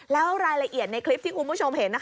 แล้วรายละเอียดในคลิปที่คุณผู้ชมเห็น